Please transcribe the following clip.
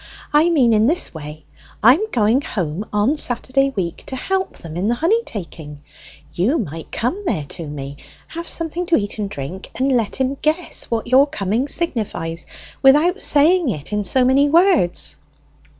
I mean in this way: I am going home on Saturday week to help them in the honey taking. You might come there to me, have something to eat and drink, and let him guess what your coming signifies, without saying it in so many words."